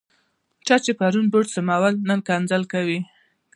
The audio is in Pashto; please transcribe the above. چا چې پرون بوټ سمول، نن کنځل کوي.